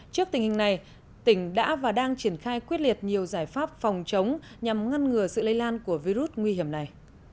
trước tình hình này tỉnh đã và đang triển khai quyết liệt nhiều giải pháp phòng chống nhằm ngăn ngừa sự lây lan của virus nguy hiểm này